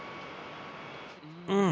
うん！